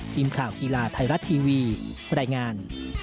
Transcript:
ทีมข่าวกีฬาไทยรัฐทีวีรายงาน